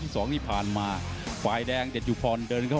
โหหมดโยค